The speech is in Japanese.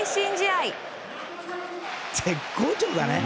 絶好調だね。